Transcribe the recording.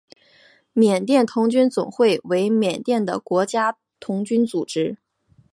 缅甸童军总会为缅甸的国家童军组织。